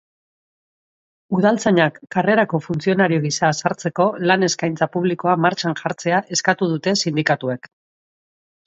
Udaltzainak karrerako funtzionario gisa sartzeko lan eskaintza publikoak martxan jartzea eskatu dute sindikatuek.